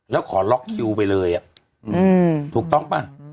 แล้วขอล็อกคิวไปเลยถูกต้องป่ะ